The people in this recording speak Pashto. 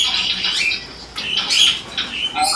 هم غلمان دي خدای درکړي هم د ښکلیو حرمونه